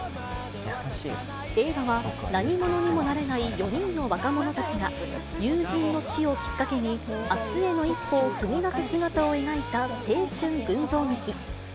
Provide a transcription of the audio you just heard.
映画は、何者にもなれない４人の若者たちが、友人の死をきっかけに、あすへの一歩を踏み出す姿を描いた青春群像劇。